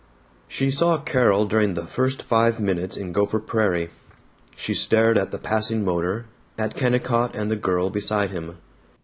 She saw Carol during the first five minutes in Gopher Prairie. She stared at the passing motor, at Kennicott and the girl beside him.